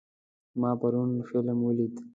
ما پرون فلم ولید.